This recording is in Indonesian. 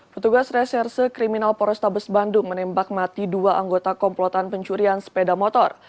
petugas reserse kriminal polrestabes bandung menembak mati dua anggota komplotan pencurian sepeda motor